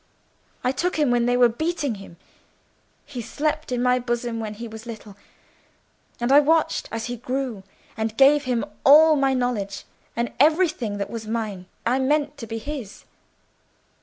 I took him when they were beating him. He slept in my bosom when he was little, and I watched him as he grew, and gave him all my knowledge, and everything that was mine I meant to be his.